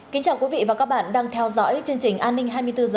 kính chào quý vị và các bạn đang theo dõi chương trình an ninh hai mươi bốn h